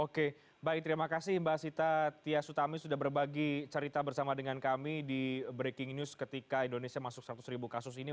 oke baik terima kasih mbak sita tia sutami sudah berbagi cerita bersama dengan kami di breaking news ketika indonesia masuk seratus ribu kasus ini